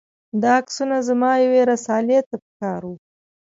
دا عکسونه زما یوې رسالې ته په کار و.